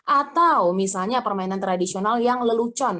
atau misalnya permainan tradisional yang lelucon